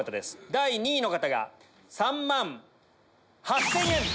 第２位の方が３万８０００円。